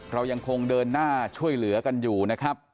เรายังคงเดินหน้าช่วยเหลือกันอยู่นะครับ